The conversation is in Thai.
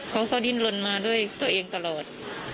เขาก็ดิ้นลนมาด้วยตัวเองตลอด